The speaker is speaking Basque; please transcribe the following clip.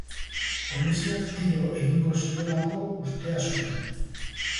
Poliziak tiro egingo ziolako ustea zuen.